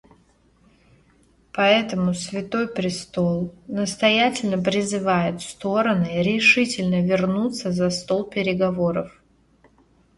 Поэтому Святой престол настоятельно призывает стороны решительно вернуться за стол переговоров.